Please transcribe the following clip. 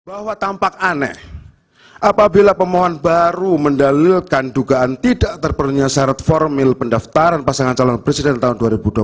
bahwa tampak aneh apabila pemohon baru mendalilkan dugaan tidak terpenuhnya syarat formil pendaftaran pasangan calon presiden tahun dua ribu dua puluh empat